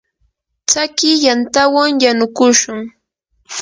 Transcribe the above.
tsakiy yantawan yanukushun.